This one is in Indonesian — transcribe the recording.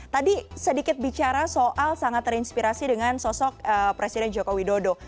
tadi sedikit bicara soal sangat terinspirasi dengan sosok presiden joko widodo